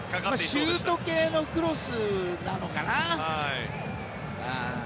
シュート系のクロスなのかな。